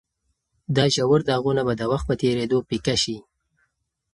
دا ژور داغونه به د وخت په تېرېدو پیکه شي.